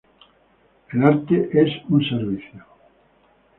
El arte es un servicio.